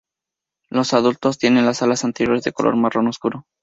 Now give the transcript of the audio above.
Los adultos tienen las alas anteriores de color marrón oscuro.